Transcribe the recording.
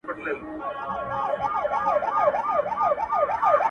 اړولي يې پيسې وې تر ملكونو.!.!